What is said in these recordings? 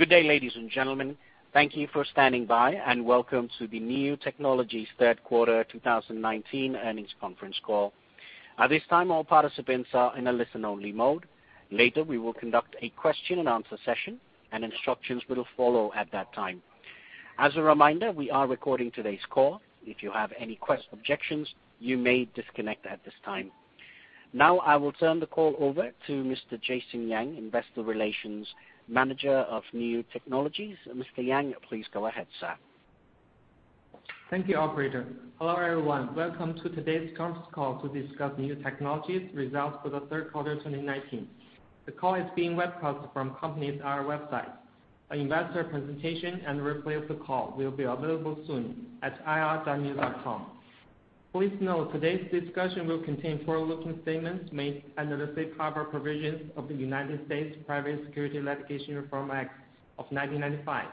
Good day, ladies and gentlemen. Thank you for standing by, and welcome to the Niu Technologies third quarter 2019 earnings conference call. At this time, all participants are in a listen-only mode. Later, we will conduct a question-and-answer session, and instructions will follow at that time. As a reminder, we are recording today's call. If you have any objections, you may disconnect at this time. Now, I will turn the call over to Mr. Jason Yang, Investor Relations Manager of Niu Technologies. Mr. Yang, please go ahead, sir. Thank you, operator. Hello, everyone. Welcome to today's conference call to discuss Niu Technologies results for the third quarter of 2019. The call is being webcast from the company's IR website. An investor presentation and replay of the call will be available soon at ir.niu.com. Please note, today's discussion will contain forward-looking statements made under the safe harbor provisions of the United States Private Securities Litigation Reform Act of 1995.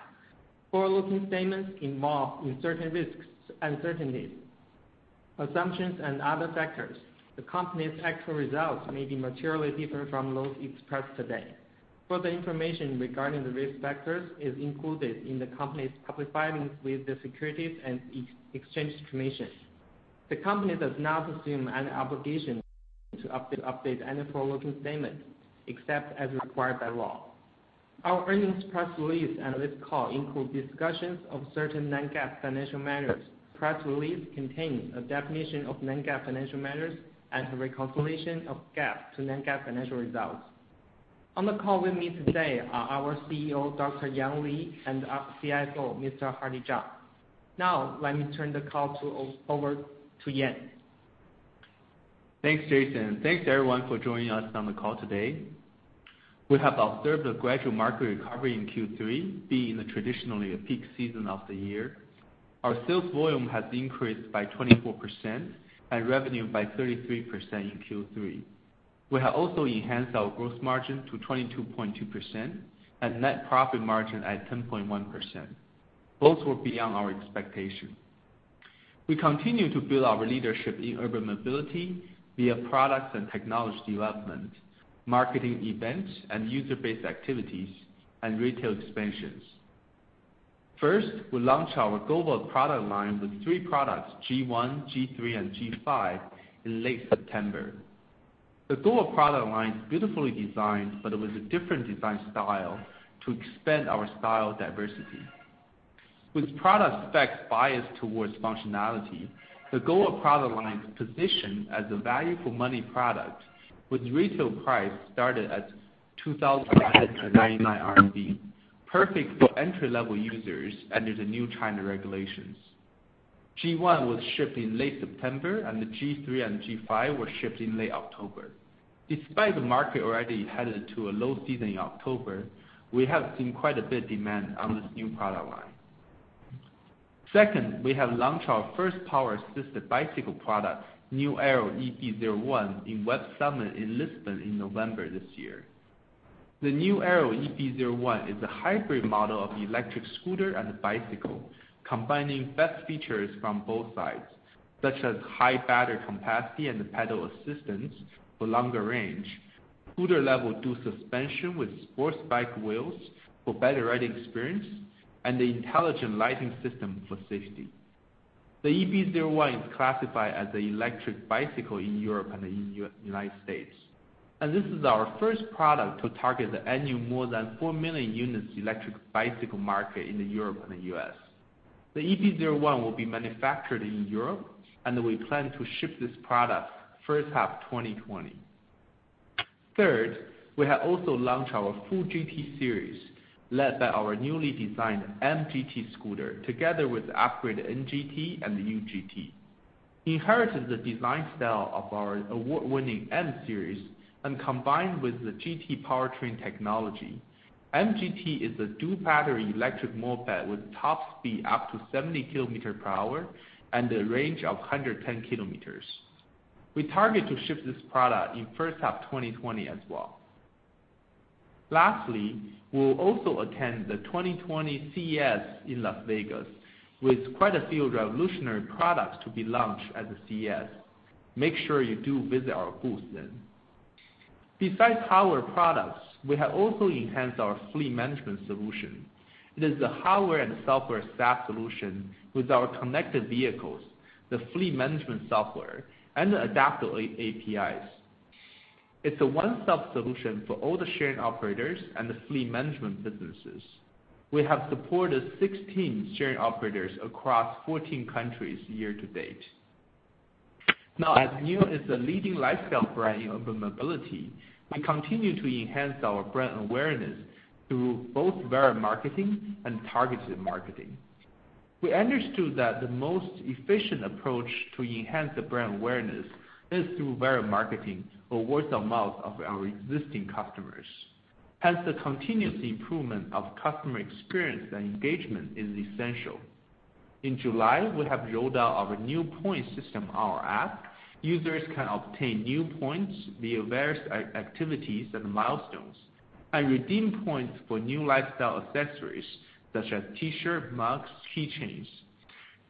Forward-looking statements involve certain risks, uncertainties, assumptions, and other factors. The company's actual results may be materially different from those expressed today. Further information regarding the risk factors is included in the company's public filings with the Securities and Exchange Commission. The company does not assume any obligation to update any forward-looking statements except as required by law. Our earnings press release and this call include discussions of certain non-GAAP financial measures. The press release contains a definition of non-GAAP financial measures and a reconciliation of GAAP to non-GAAP financial results. On the call with me today are our CEO, Dr. Yan Li, and our CFO, Mr. Hardy Zhang. Now, let me turn the call over to Yan. Thanks, Jason. Thanks, everyone, for joining us on the call today. We have observed a gradual market recovery in Q3, being traditionally a peak season of the year. Our sales volume has increased by 24%, and revenue by 33% in Q3. We have also enhanced our gross margin to 22.2%, and net profit margin at 10.1%. Both were beyond our expectation. We continue to build our leadership in urban mobility via product and technology development, marketing events and user-based activities, and retail expansions. First, we launched our GOVA product line with three products, G1, G3, and G5, in late September. The GOVA product line is beautifully designed, but it was a different design style to expand our style diversity. With product specs biased towards functionality, the GOVA product line is positioned as a value-for-money product, with retail price starting at 2,999 RMB, perfect for entry-level users under the new China regulations. G1 was shipped in late September, and the G3 and G5 were shipped in late October. Despite the market already headed to a low season in October, we have seen quite a bit of demand on this new product line. Second, we have launched our first power-assisted bicycle product, NIU Aero EB-01, in Web Summit in Lisbon in November this year. The NIU Aero EB-01 is a hybrid model of the electric scooter and bicycle, combining the best features from both sides, such as high battery capacity and pedal assistance for longer range, scooter level dual suspension with sports bike wheels for better riding experience, and the intelligent lighting system for safety. The EB-01 is classified as an electric bicycle in Europe and the United States. This is our first product to target the annual more than 4 million units electric bicycle market in Europe and the U.S. The EB-01 will be manufactured in Europe, and we plan to ship this product first half of 2020. Third, we have also launched our full GT series, led by our newly designed MQi GT scooter, together with the upgraded NQi GT and the UQi GT. Inheriting the design style of our award-winning MQi Series and combined with the GT powertrain technology, MQi GT is a dual-battery electric moped with a top speed up to 70 km per hour and a range of 110 km. We target to ship this product in the first half of 2020 as well. Lastly, we'll also attend the 2020 CES in Las Vegas with quite a few revolutionary products to be launched at the CES. Make sure you do visit our booth then. Besides our products, we have also enhanced our fleet management solution. It is the hardware and software SaaS solution with our connected vehicles, the fleet management software, and the adapter APIs. It's a one-stop solution for all the sharing operators and the fleet management businesses. We have supported 16 sharing operators across 14 countries year to date. Now, as NIU is a leading lifestyle brand in urban mobility, we continue to enhance our brand awareness through both viral marketing and targeted marketing. We understood that the most efficient approach to enhance brand awareness is through viral marketing or word of mouth of our existing customers. Hence, the continuous improvement of customer experience and engagement is essential. In July, we have rolled out our new point system on our app. Users can obtain new points via various activities and milestones, and redeem points for NIU lifestyle accessories such as T-shirts, mugs, key chains.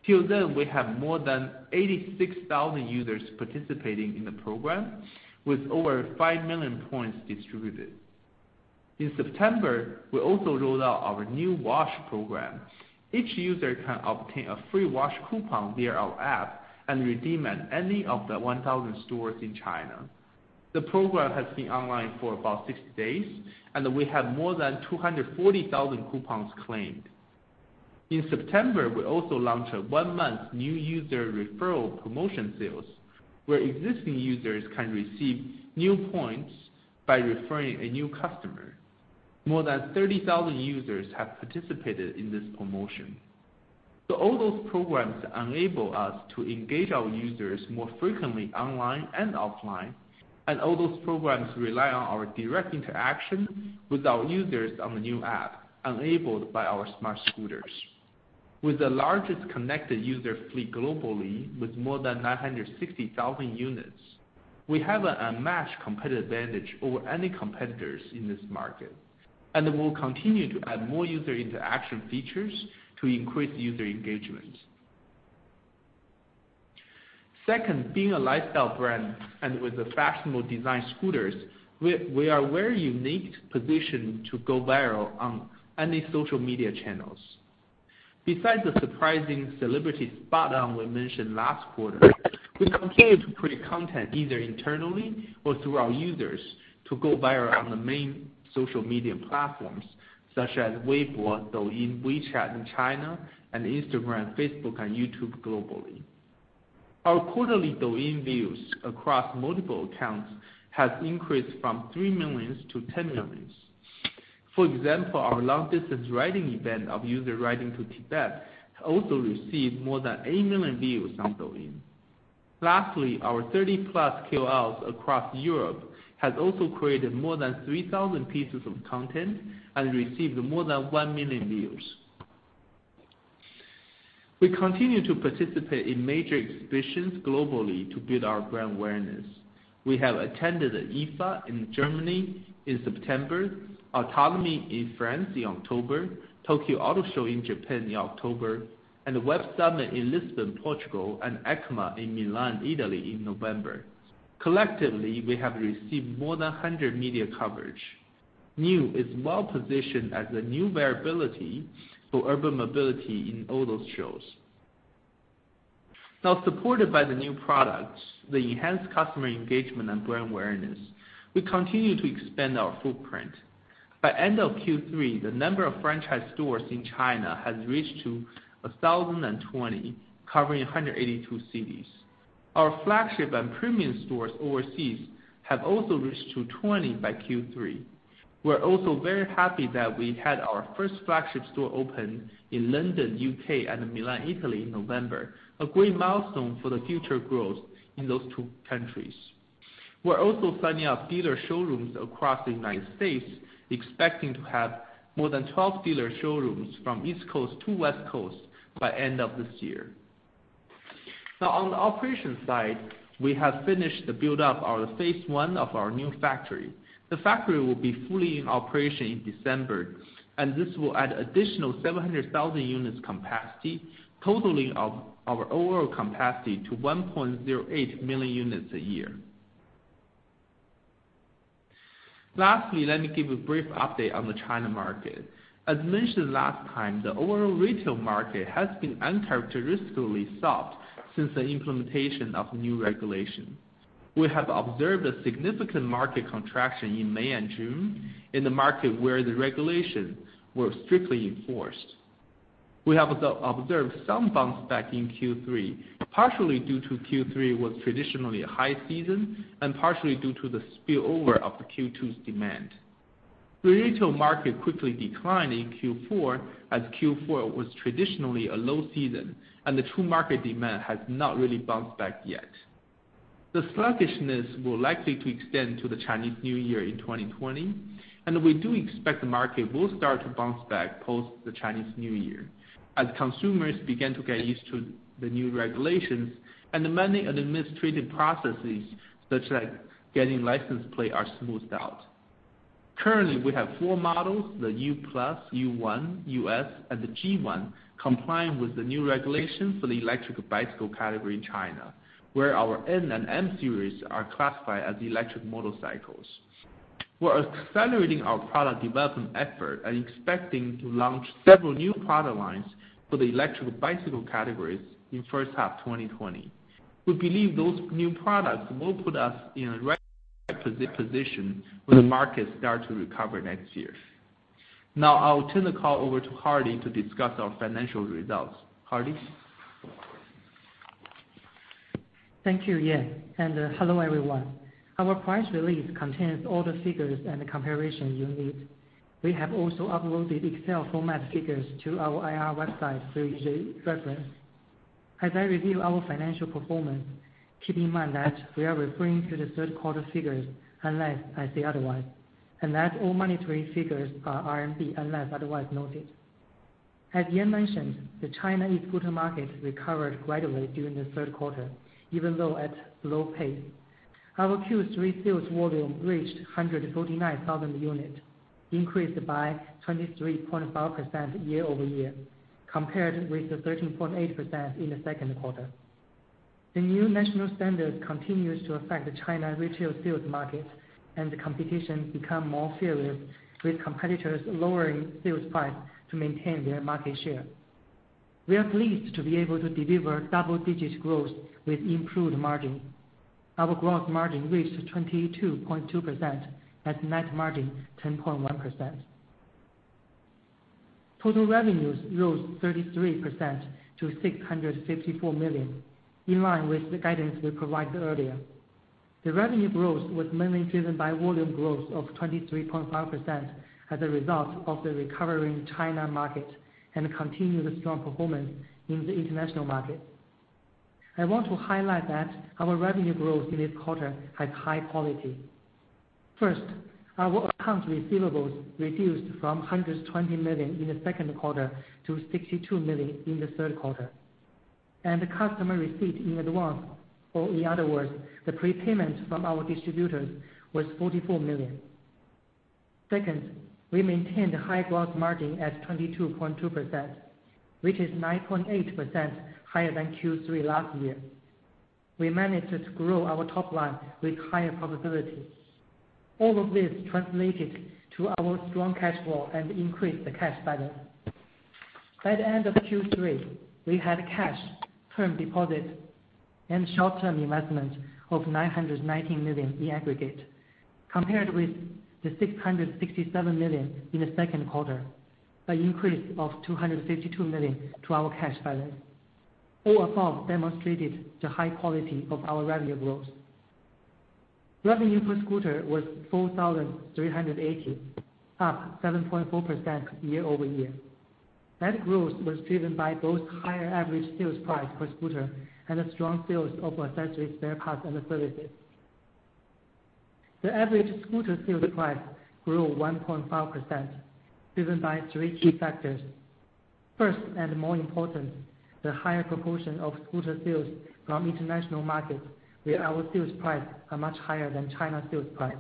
Till then, we have more than 86,000 users participating in the program, with over 5 million points distributed. In September, we also rolled out our new wash program. Each user can obtain a free wash coupon via our app and redeem at any of the 1,000 stores in China. The program has been online for about six days, and we have more than 240,000 coupons claimed. In September, we also launched a one-month new user referral promotion sales, where existing users can receive new points by referring a new customer. More than 30,000 users have participated in this promotion. All those programs enable us to engage our users more frequently online and offline, and all those programs rely on our direct interaction with our users on the NIU app, enabled by our smart scooters. With the largest connected user fleet globally, with more than 960,000 units, we have an unmatched competitive advantage over any competitors in this market. We'll continue to add more user interaction features to increase user engagement. Second, being a lifestyle brand and with the fashionable design scooters, we are very unique positioned to go viral on any social media channels. Besides the surprising celebrity spot on we mentioned last quarter, we continue to create content either internally or through our users to go viral on the main social media platforms, such as Weibo, Douyin, WeChat in China, and Instagram, Facebook, and YouTube globally. Our quarterly Douyin views across multiple accounts has increased from 3 million to 10 million. For example, our long-distance riding event of user riding to Tibet also received more than 8 million views on Douyin. Lastly, our 30-plus KOLs across Europe has also created more than 3,000 pieces of content and received more than 1 million views. We continue to participate in major exhibitions globally to build our brand awareness. We have attended IFA in Germany in September, Autonomy in France in October, Tokyo Motor Show in Japan in October, and the Web Summit in Lisbon, Portugal, and EICMA in Milan, Italy in November. Collectively, we have received more than 100 media coverage. NIU is well-positioned as a new variability for urban mobility in all those shows. Now supported by the new products, the enhanced customer engagement, and brand awareness, we continue to expand our footprint. By end of Q3, the number of franchise stores in China has reached to 1,020, covering 182 cities. Our flagship and premium stores overseas have also reached to 20 by Q3. We are also very happy that we had our first flagship store open in London, U.K. and Milan, Italy in November, a great milestone for the future growth in those two countries. We are also signing up dealer showrooms across the United States, expecting to have more than 12 dealer showrooms from East Coast to West Coast by end of this year. On the operations side, we have finished the build-up our phase 1 of our new factory. The factory will be fully in operation in December, this will add additional 700,000 units capacity, totaling our overall capacity to 1.08 million units a year. Lastly, let me give you a brief update on the China market. As mentioned last time, the overall retail market has been uncharacteristically soft since the implementation of new regulations. We have observed a significant market contraction in May and June in the market where the regulations were strictly enforced. We have observed some bounce back in Q3, partially due to Q3 was traditionally a high season, and partially due to the spillover of the Q2's demand. The retail market quickly declined in Q4, as Q4 was traditionally a low season, and the true market demand has not really bounced back yet. The sluggishness will likely to extend to the Chinese New Year in 2020, and we do expect the market will start to bounce back post the Chinese New Year as consumers begin to get used to the new regulations, and the many administrative processes, such like getting license plate, are smoothed out. Currently, we have four models, the U-Plus, U1, UQi S, and the G1, complying with the new regulations for the electric bicycle category in China, where our N and M series are classified as electric motorcycles. We're accelerating our product development effort and expecting to launch several new product lines for the electric bicycle categories in first half 2020. We believe those new products will put us in a position when the market start to recover next year. Now, I will turn the call over to Hardy to discuss our financial results. Hardy? Thank you, Yan. Hello, everyone. Our press release contains all the figures and the comparisons you need. We have also uploaded Excel format figures to our IR website for easy reference. As I review our financial performance, keep in mind that we are referring to the third quarter figures, unless I say otherwise, and that all monetary figures are RMB, unless otherwise noted. As Yan mentioned, the China e-scooter market recovered gradually during the third quarter, even though at slow pace. Our Q3 sales volume reached 149,000 units, increased by 23.5% year-over-year, compared with the 13.8% in the second quarter. The new national standards continues to affect the China retail sales market, and the competition become more serious, with competitors lowering sales price to maintain their market share. We are pleased to be able to deliver double-digit growth with improved margin. Our gross margin reached 22.2%, and net margin 10.1%. Total revenues rose 33% to 654 million, in line with the guidance we provided earlier. The revenue growth was mainly driven by volume growth of 23.5% as a result of the recovering China market, and continued strong performance in the international market. I want to highlight that our revenue growth in this quarter has high quality. First, our accounts receivables reduced from 120 million in the second quarter to 62 million in the third quarter. The customer receipt in advance, or in other words, the prepayment from our distributors was 44 million. Second, we maintained a high gross margin at 22.2%, which is 9.8% higher than Q3 last year. We managed to grow our top line with higher profitability. All of this translated to our strong cash flow and increased the cash balance. By the end of Q3, we had cash, term deposits, and short-term investments of 919 million in aggregate, compared with the 667 million in the second quarter, an increase of 252 million to our cash balance. All above demonstrated the high quality of our revenue growth. Revenue per scooter was 4,380, up 7.4% year-over-year. That growth was driven by both higher average sales price per scooter, and the strong sales of accessories, spare parts, and services. The average scooter sales price grew 1.5%, driven by three key factors. First, and more important, the higher proportion of scooter sales from international markets, where our sales price are much higher than China sales price.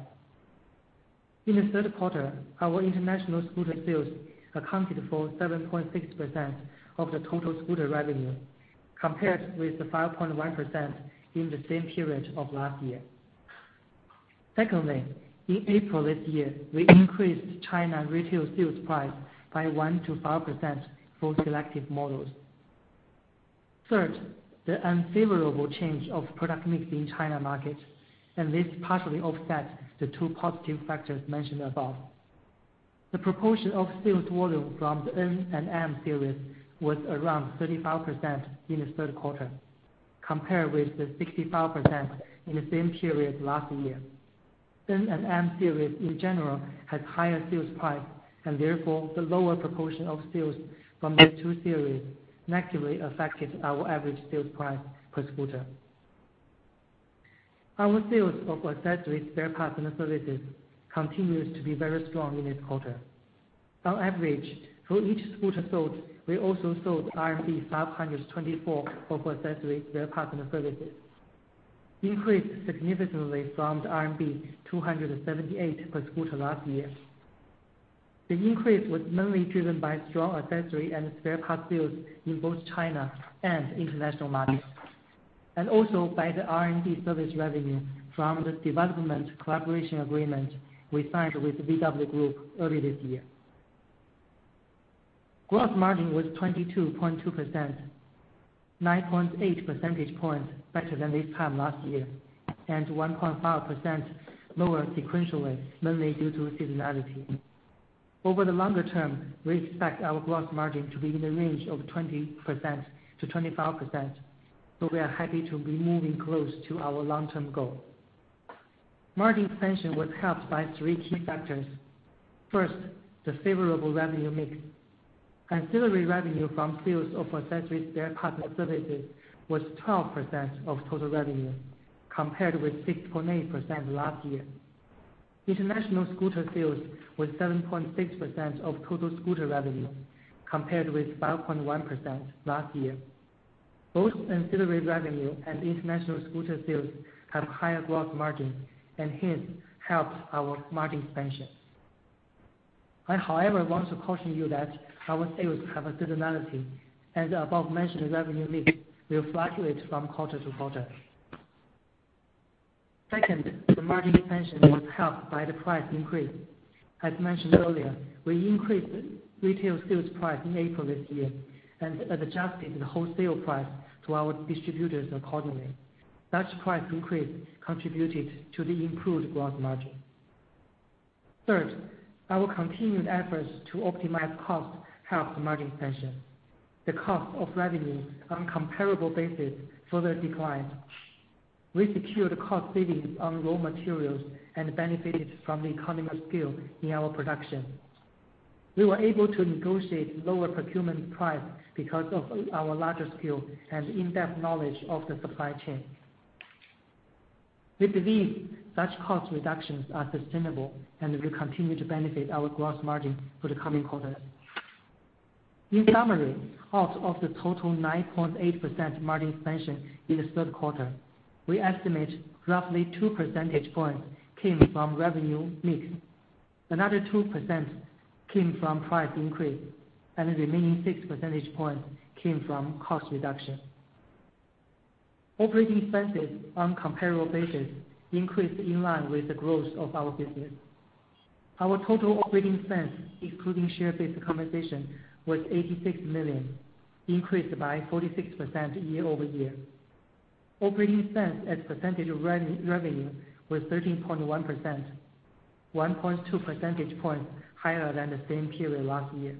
In the third quarter, our international scooter sales accounted for 7.6% of the total scooter revenue, compared with the 5.1% in the same period of last year. Secondly, in April this year, we increased China retail sales price by 1%-5% for selective models. Third, the unfavorable change of product mix in China market, this partially offset the two positive factors mentioned above. The proportion of sales volume from the N Series and M Series was around 35% in the third quarter, compared with 65% in the same period last year. N Series and M Series, in general, has higher sales price, therefore, the lower proportion of sales from these two series negatively affected our average sales price per scooter. Our sales of accessories, spare parts, and services continues to be very strong in this quarter. On average, for each scooter sold, we also sold RMB 524 of accessories, spare parts, and services. Increased significantly from the RMB 278 per scooter last year. The increase was mainly driven by strong accessory and spare parts sales in both China and international markets, and also by the R&D service revenue from the development collaboration agreement we signed with Volkswagen Group early this year. Gross margin was 22.2%, 9.8 percentage points better than this time last year, and 1.5% lower sequentially, mainly due to seasonality. Over the longer term, we expect our gross margin to be in the range of 20%-25%, so we are happy to be moving close to our long-term goal. Margin expansion was helped by three key factors. First, the favorable revenue mix. Ancillary revenue from sales of accessories, spare parts, and services was 12% of total revenue, compared with 6.8% last year. International scooter sales was 7.6% of total scooter revenue, compared with 5.1% last year. Both ancillary revenue and international scooter sales have higher gross margin, and hence, helped our margin expansion. I, however, want to caution you that our sales have a seasonality, and the above-mentioned revenue mix will fluctuate from quarter to quarter. Second, the margin expansion was helped by the price increase. As mentioned earlier, we increased retail sales price in April this year, and adjusted the wholesale price to our distributors accordingly. Such price increase contributed to the improved gross margin. Third, our continued efforts to optimize cost helped the margin expansion. The cost of revenue on a comparable basis further declined. We secured cost savings on raw materials and benefited from the economies of scale in our production. We were able to negotiate lower procurement price because of our larger scale and in-depth knowledge of the supply chain. We believe such cost reductions are sustainable and will continue to benefit our gross margin for the coming quarters. In summary, out of the total 9.8% margin expansion in the third quarter, we estimate roughly 2 percentage points came from revenue mix. Another 2% came from price increase, and the remaining 6 percentage points came from cost reduction. Operating expenses on comparable basis increased in line with the growth of our business. Our total operating expense, excluding share-based compensation, was 86 million, increased by 46% year-over-year. Operating expense as a percentage of revenue was 13.1%, 1.2 percentage points higher than the same period last year.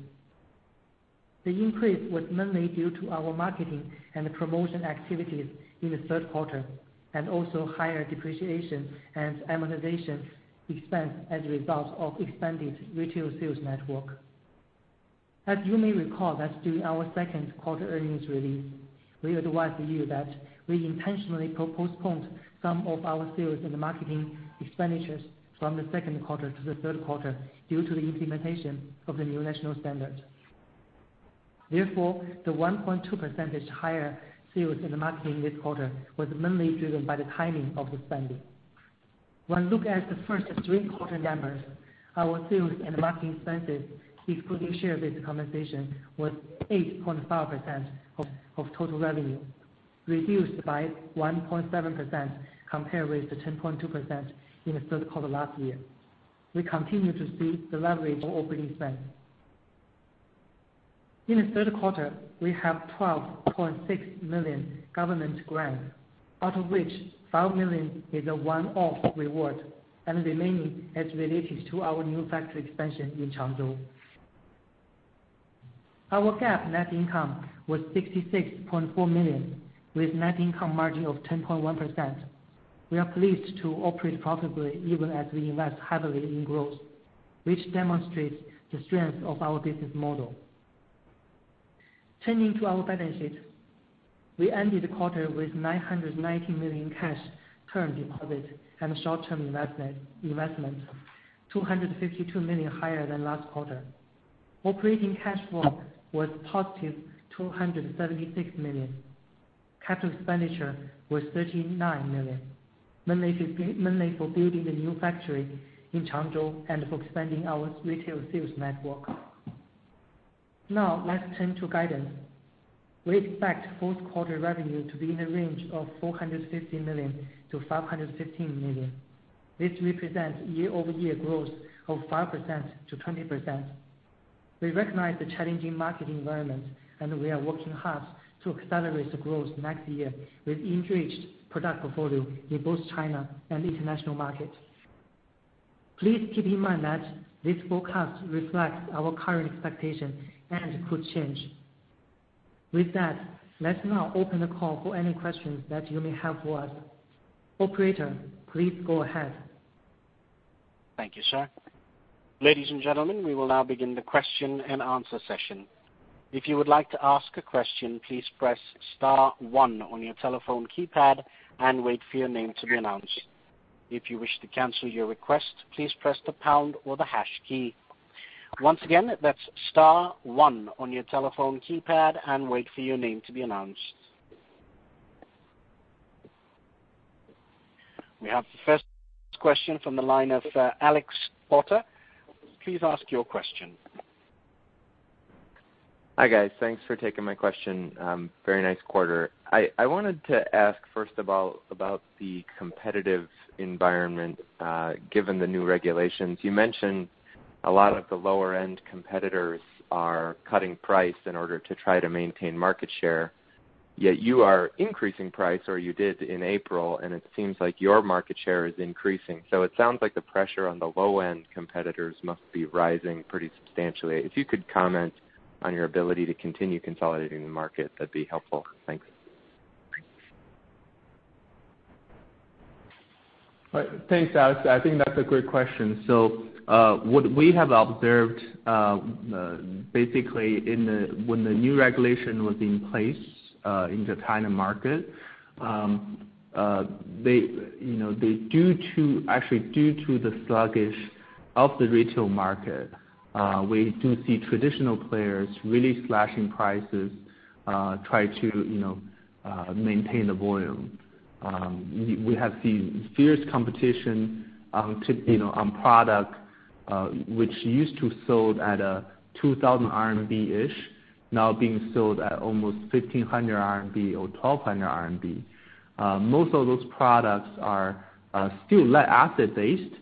The increase was mainly due to our marketing and promotion activities in the third quarter, and also higher depreciation and amortization expense as a result of expanded retail sales network. As you may recall that during our second quarter earnings release, we advised you that we intentionally postponed some of our sales and marketing expenditures from the second quarter to the third quarter due to the implementation of the new national standards. The 1.2% higher sales and marketing this quarter was mainly driven by the timing of the spending. When look at the first three quarter numbers, our sales and marketing expenses, excluding share-based compensation, was 8.5% of total revenue, reduced by 1.7% compared with the 10.2% in the third quarter last year. We continue to see the leverage of OpEx. In the third quarter, we have 12.6 million government grant, out of which 5 million is a one-off reward and the remaining is related to our new factory expansion in Changzhou. Our GAAP net income was 66.4 million, with net income margin of 10.1%. We are pleased to operate profitably even as we invest heavily in growth, which demonstrates the strength of our business model. Turning to our balance sheet. We ended the quarter with 990 million cash, term deposit, and short-term investment, 252 million higher than last quarter. Operating cash flow was positive 276 million. Capital expenditure was 39 million, mainly for building the new factory in Changzhou and for expanding our retail sales network. Now, let's turn to guidance. We expect fourth quarter revenue to be in the range of 450 million-515 million. This represents year-over-year growth of 5%-20%. We recognize the challenging market environment, and we are working hard to accelerate the growth next year with enriched product portfolio in both China and the international market. Please keep in mind that this forecast reflects our current expectation and could change. With that, let's now open the call for any questions that you may have for us. Operator, please go ahead. Thank you, sir. Ladies and gentlemen, we will now begin the question and answer session. If you would like to ask a question, please press star one on your telephone keypad and wait for your name to be announced. If you wish to cancel your request, please press the pound or the hash key. Once again, that's star one on your telephone keypad and wait for your name to be announced. We have the first question from the line of Alex Potter. Please ask your question. Hi, guys. Thanks for taking my question. Very nice quarter. I wanted to ask, first of all, about the competitive environment, given the new regulations. You mentioned a lot of the lower-end competitors are cutting price in order to try to maintain market share, yet you are increasing price, or you did in April, and it seems like your market share is increasing. It sounds like the pressure on the low-end competitors must be rising pretty substantially. If you could comment on your ability to continue consolidating the market, that'd be helpful. Thanks. Thanks, Alex. I think that's a great question. What we have observed, basically when the new regulation was in place, in the China market, actually due to the sluggish of the retail market, we do see traditional players really slashing prices, try to maintain the volume. We have seen fierce competition on product, which used to sold at 2,000-ish RMB, now being sold at almost 1,500 RMB or 1,200 RMB. Most of those products are still lead-acid based,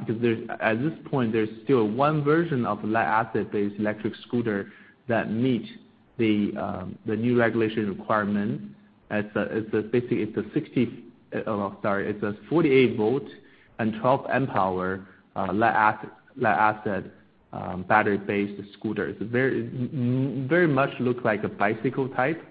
because at this point, there's still one version of lead-acid based electric scooter that meet the new regulation requirement. It's a 48 volt and 12 amp hour, lead-acid battery based scooter. It very much looks like a bicycle type.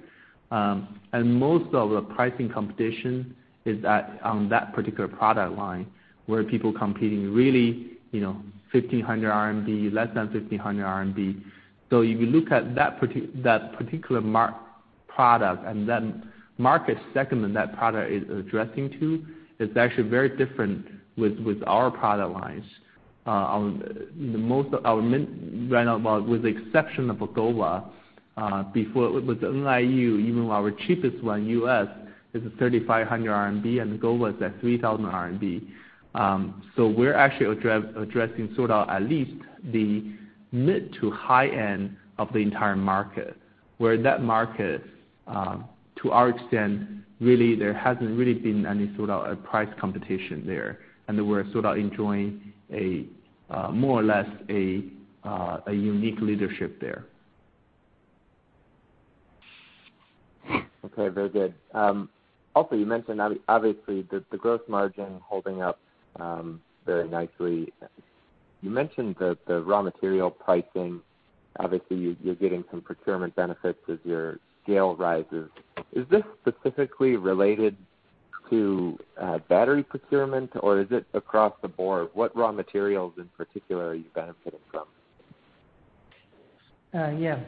Most of the pricing competition is on that particular product line where people competing really 1,500 RMB, less than 1,500 RMB. If you look at that particular product, market segment that product is addressing to is actually very different with our product lines. With the exception of GOVA, before with the NIU, even our cheapest one, UQi S, is 3,500 RMB, and GOVA is at 3,000 RMB. We're actually addressing sort of at least the mid to high-end of the entire market, where that market, to our extent, really there hasn't really been any sort of price competition there, and we're sort of enjoying more or less a unique leadership there. Okay, very good. You mentioned, obviously, the gross margin holding up very nicely. You mentioned the raw material pricing. Obviously, you're getting some procurement benefits as your scale rises. Is this specifically related to battery procurement, or is it across the board? What raw materials, in particular, are you benefiting from? Yeah.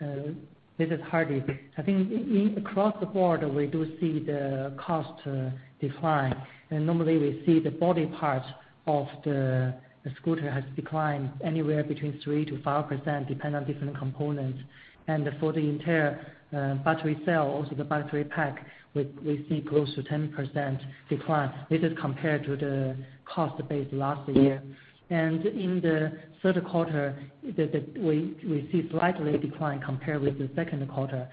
This is Hardy. I think across the board, we do see the cost decline. Normally we see the body parts of the scooter has declined anywhere between 3%-5%, depending on different components. For the entire battery cell, also the battery pack, we see close to 10% decline. This is compared to the cost base last year. In the third quarter, we see slightly decline compared with the second quarter.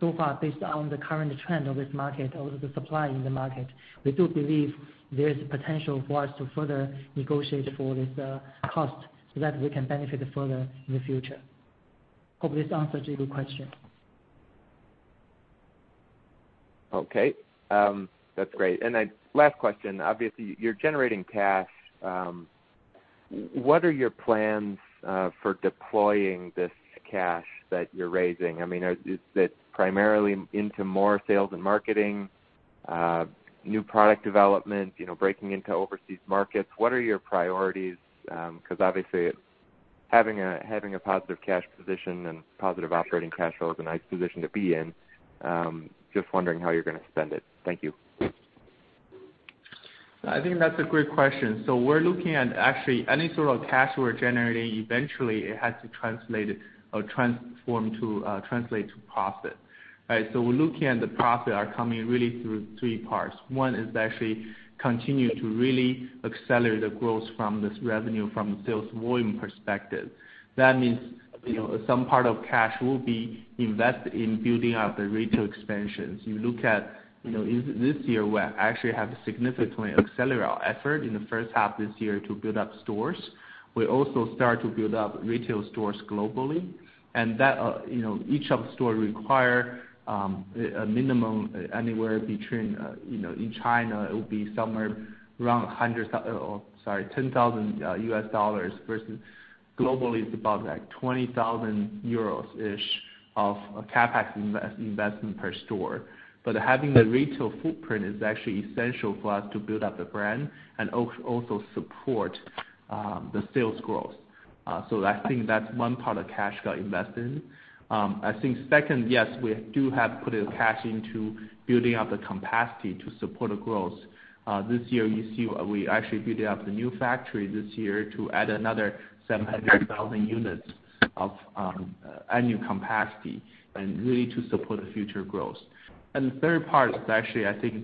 So far, based on the current trend of this market, of the supply in the market, we do believe there is potential for us to further negotiate for this cost so that we can benefit further in the future. Hope this answers your question. Okay. That's great. Then last question. Obviously, you're generating cash. What are your plans for deploying this cash that you're raising? I mean, is it primarily into more sales and marketing, new product development, breaking into overseas markets? What are your priorities? Because obviously, having a positive cash position and positive operating cash flow is a nice position to be in. Just wondering how you're going to spend it. Thank you. I think that's a great question. We're looking at, actually, any sort of cash we're generating, eventually it has to translate to profit. We're looking at the profit are coming really through three parts. One is actually continue to really accelerate the growth from this revenue from a sales volume perspective. That means some part of cash will be invested in building out the retail expansions. You look at this year, we actually have significantly accelerated our effort in the first half of this year to build up stores. We also start to build up retail stores globally, and each store require a minimum anywhere between, in China, it will be somewhere around $10,000 versus globally, it's about 20,000-ish euros of CapEx investment per store. Having the retail footprint is actually essential for us to build up the brand and also support the sales growth. I think that's one part of cash got invested in. I think second, yes, we do have put cash into building up the capacity to support the growth. This year, you see we actually build up the new factory this year to add another 700,000 units of annual capacity, and really to support the future growth. The third part is actually, I think,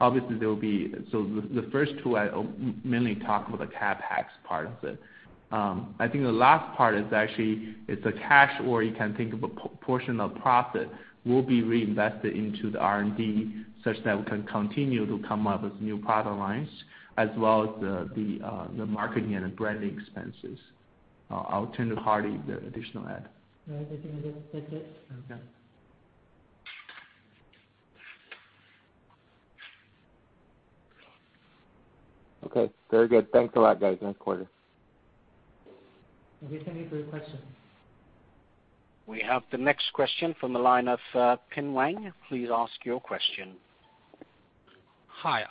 obviously. The first two, I mainly talk about the CapEx part of it. I think the last part is actually, it's a cash, or you can think of a portion of profit will be reinvested into the R&D such that we can continue to come up with new product lines, as well as the marketing and the branding expenses. I'll turn to Hardy, the additional add. No, I think that's it. Okay. Okay. Very good. Thanks a lot, guys. Thank you for your question. We have the next question from the line of Bin Wang. Please ask your question. Hi.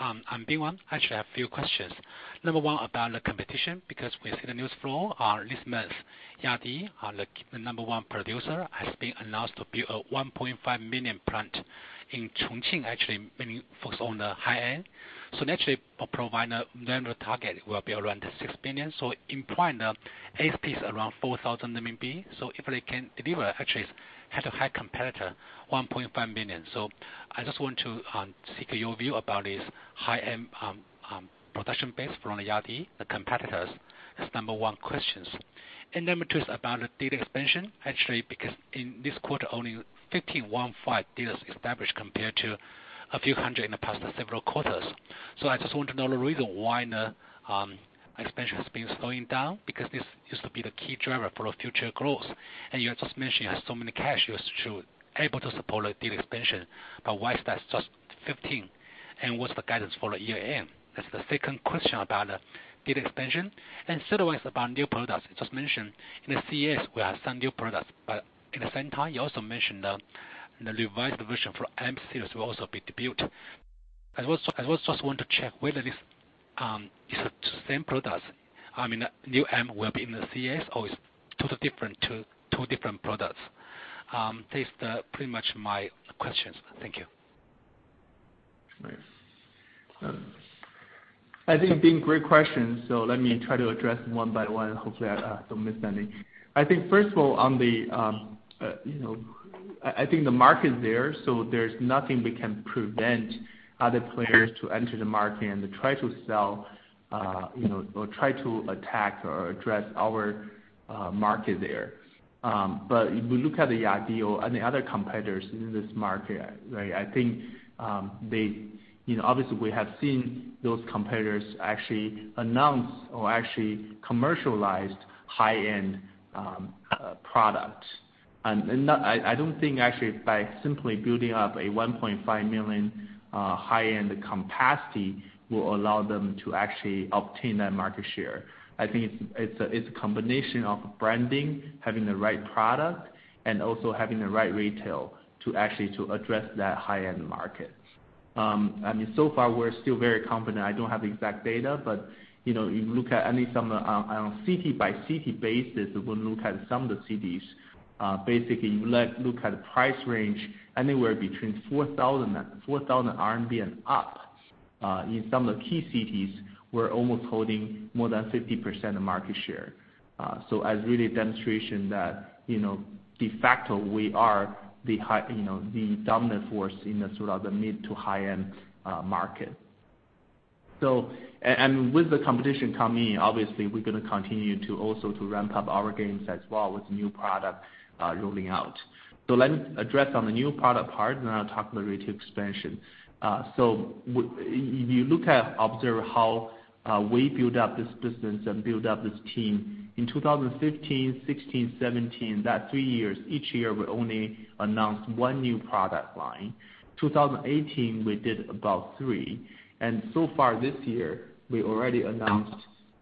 I'm Bin Wang. I actually have a few questions. Number one, about the competition, we see the news flow this month, Yadea, the number one producer, has been announced to build a 1.5 million plant in Chongqing, meaning focused on the high-end. Naturally, provide annual target will be around the 6 million. In point, ASP is around 4,000. If they can deliver, it's head-to-head competitor, 1.5 million. I just want to seek your view about this high-end production base from Yadea, the competitors. That's number one questions. Number two is about the dealer expansion, because in this quarter, only 515 dealers established compared to a few hundred in the past several quarters. I just want to know the reason why the expansion has been slowing down, because this used to be the key driver for future growth. You have just mentioned you have so many cash, you are able to support the dealer expansion. Why is that just 15, and what's the guidance for the year end? That's the second question about the dealer expansion. Third one is about new products. You just mentioned in the CES, we have some new products, in the same time, you also mentioned The revised version for M Series will also be debuted. I also just want to check whether these are the same products. I mean, new M will be in the CES or it's two different products. This is pretty much my questions. Thank you. Nice. I think have been great questions. Let me try to address one by one. Hopefully I don't miss any. I think, first of all, I think the market's there. There's nothing we can prevent other players to enter the market and to try to sell or try to attack or address our market there. If we look at the Yadea and the other competitors in this market, obviously, we have seen those competitors actually announce or actually commercialize high-end products. I don't think actually by simply building up a 1.5 million high-end capacity will allow them to actually obtain that market share. I think it's a combination of branding, having the right product, and also having the right retail to actually address that high-end market. Far we're still very confident. I don't have the exact data, but if you look at at least on a city-by-city basis, if we look at some of the cities, basically, you look at the price range, anywhere between 4,000 and up in some of the key cities, we're almost holding more than 50% of market share. As really a demonstration that de facto, we are the dominant force in the mid to high-end market. With the competition coming in, obviously we're going to continue to also ramp up our games as well with new product rolling out. Let me address on the new product part, and then I'll talk about retail expansion. If you observe how we build up this business and build up this team, in 2015, 2016, 2017, that three years, each year, we only announced one new product line. 2018, we did about three. So far this year, we already announced,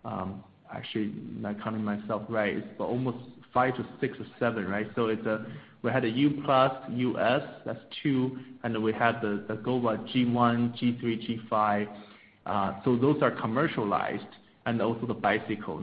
counting myself, it's almost five to six to seven. We had a U-Plus, UQi S, that's two, we had the GOVA G1, G3, G5. Those are commercialized, and also the bicycle.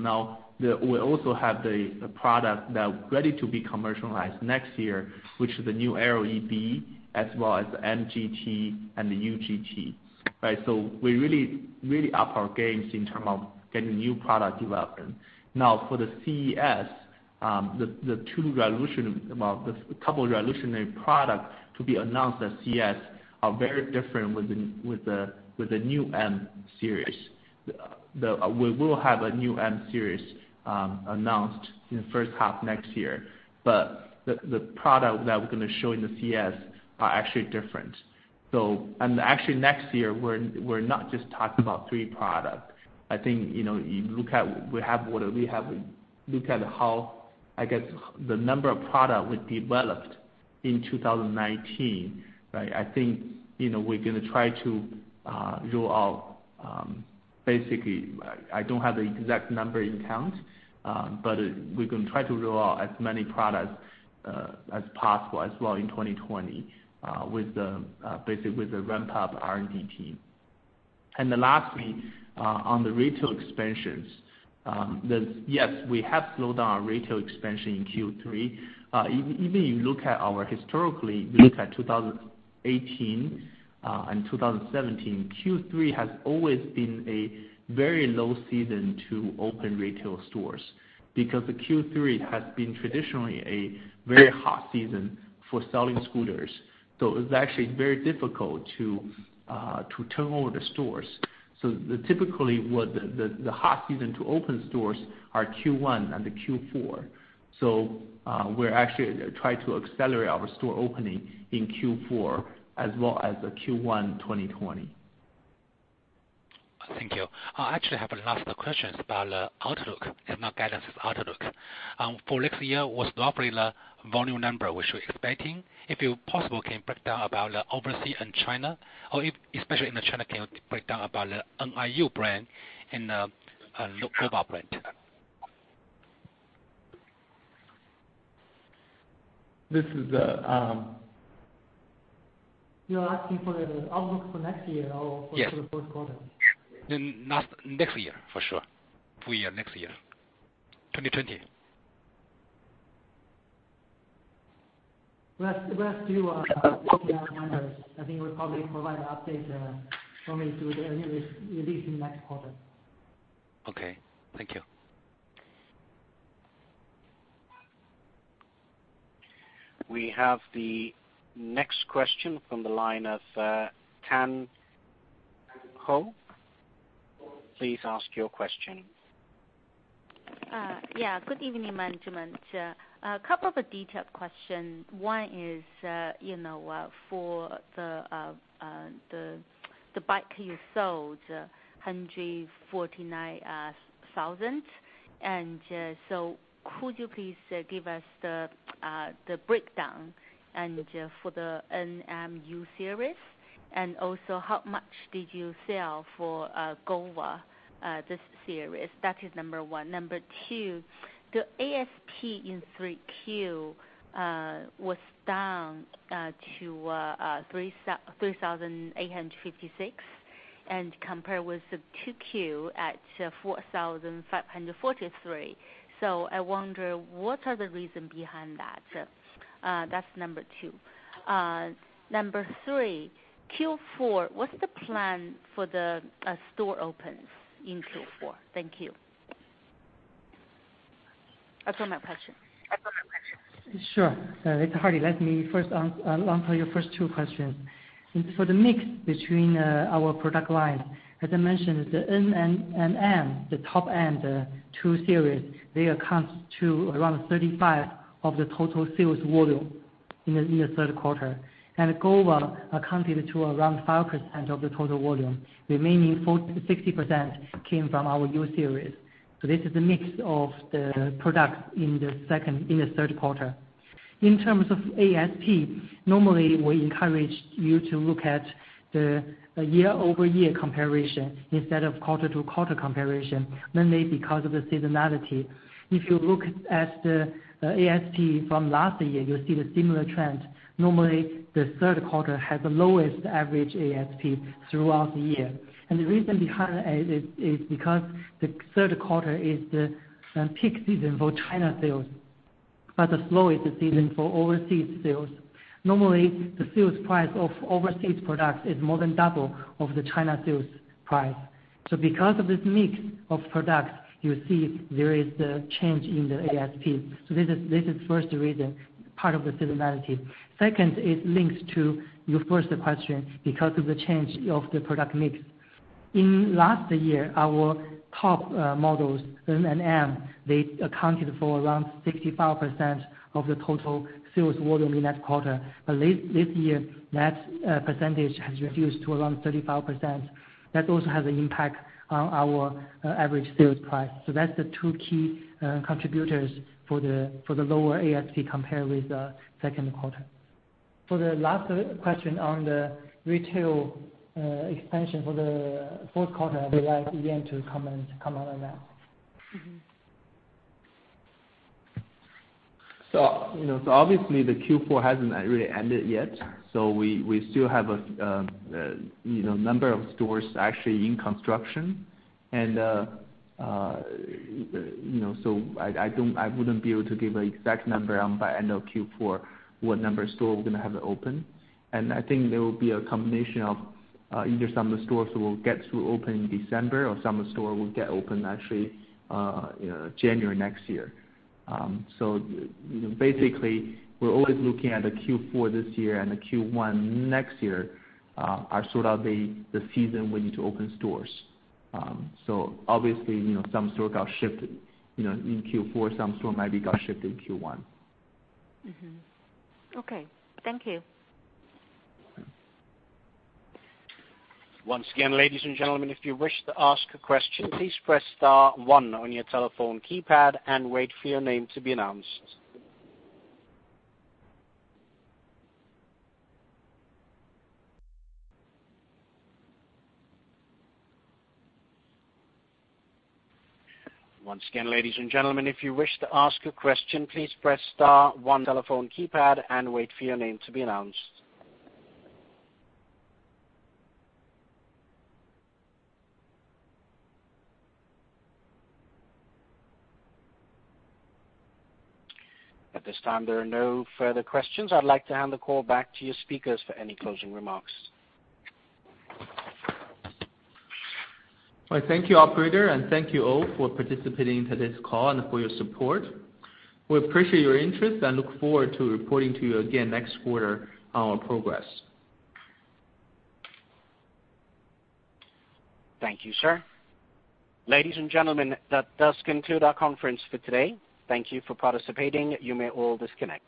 We also have the product that ready to be commercialized next year, which is the NIU Aero EB-01, as well as the NQi GT and the UQi GT. We really up our games in term of getting new product development. For the CES, the couple revolutionary product to be announced at CES are very different with the new M Series. We will have a new M Series announced in the first half next year, the product that we're going to show in the CES are actually different. Actually next year, we're not just talking about three products. I think if you look at how, I guess, the number of product we developed in 2019, I think we're going to try to roll out Basically, I don't have the exact number in count, but we're going to try to roll out as many products as possible as well in 2020, basically with the ramp-up R&D team. Lastly, on the retail expansions, yes, we have slowed down our retail expansion in Q3. Even if you look at our historically, look at 2018 and 2017, Q3 has always been a very low season to open retail stores because the Q3 has been traditionally a very hot season for selling scooters. It was actually very difficult to turn over the stores. Typically, the hot season to open stores are Q1 and the Q4. We're actually try to accelerate our store opening in Q4 as well as the Q1 2020. Thank you. I actually have last questions about the outlook. It's not guidance, it's outlook. For next year, what's roughly the volume number which you're expecting? If you possibly can break down about the overseas and China, or especially in the China, can you break down about the NIU brand and the? [inaudible] This is- You're asking for the outlook for next year? Yes for the first quarter? Next year, for sure. Full year, next year. 2020. Let's do working on numbers. I think we'll probably provide an update through the release in next quarter. Okay. Thank you. We have the next question from the line of Tan Ho. Please ask your question. Good evening, management. A couple of detailed question. Number one, for the bike you sold, 149,000. Could you please give us the breakdown for the N, M, U series? Also, how much did you sell for GOVA this series? That is number one. Number two, the ASP in Q3 was down to 3,856, compared with 2Q at 4,543. I wonder, what are the reason behind that? That's number two. Number three, Q4, what's the plan for the store opens in Q4? Thank you. That's all my questions. Sure. It's Hardy. Let me first answer your first two questions. For the mix between our product lines, as I mentioned, the N and M, the top end, two series, they account to around 35% of the total sales volume in the third quarter. GOVA accounted to around 5% of the total volume. The remaining 60% came from our U Series. This is the mix of the product in the third quarter. In terms of ASP, normally, we encourage you to look at the year-over-year comparison instead of quarter-to-quarter comparison, mainly because of the seasonality. If you look at the ASP from last year, you'll see the similar trend. Normally, the third quarter has the lowest average ASP throughout the year. The reason behind that is because the third quarter is the peak season for China sales, but the slowest season for overseas sales. Normally, the sales price of overseas products is more than double of the China sales price. Because of this mix of products, you see there is the change in the ASP. This is first reason, part of the seasonality. Second, it links to your first question because of the change of the product mix. In last year, our top models, N and M, they accounted for around 65% of the total sales volume in that quarter. This year, that percentage has reduced to around 35%. That also has an impact on our average sales price. That's the two key contributors for the lower ASP compared with the second quarter. For the last question on the retail expansion for the fourth quarter, I'd like Yan to comment on that. Obviously, the Q4 hasn't really ended yet, so we still have a number of stores actually in construction. I wouldn't be able to give an exact number by end of Q4 what number store we're going to have open. I think there will be a combination of either some of the stores will get to open in December or some of the store will get open actually January next year. Basically, we're always looking at the Q4 this year and the Q1 next year, are sort of the season we need to open stores. Obviously, some store got shifted in Q4, some store maybe got shifted to Q1. Okay. Thank you. Once again, ladies and gentlemen, if you wish to ask a question, please press star one on your telephone keypad and wait for your name to be announced. Once again, ladies and gentlemen, if you wish to ask a question, please press star one on your telephone keypad and wait for your name to be announced. At this time, there are no further questions. I'd like to hand the call back to your speakers for any closing remarks. Well, thank you, operator. Thank you all for participating in today's call and for your support. We appreciate your interest and look forward to reporting to you again next quarter on our progress. Thank you, sir. Ladies and gentlemen, that does conclude our conference for today. Thank you for participating. You may all disconnect.